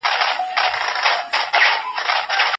د خوشحالۍ لپاره ډېر څه ته اړتیا نسته.